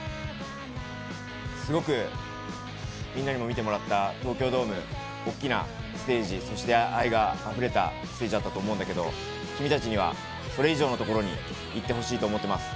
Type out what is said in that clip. すごくみんなにも見てもらった東京ドーム、大きなステージ、そして愛があふれたステージだったと思うんだけど、君たちにはそれ以上のところに行ってほしいと思っています。